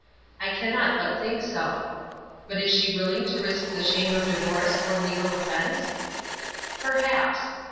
I cannot but think so. But is she willing to risk the shame of divorce or legal offence? Perhaps.